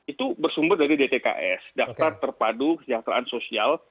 itu bersumber dari dtks daftar terpadu kesejahteraan sosial